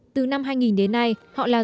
từ năm hai nghìn đến nay họ là giáo viên